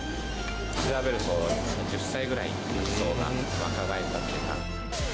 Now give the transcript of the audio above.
調べると１０歳ぐらい客層が若返ったというか。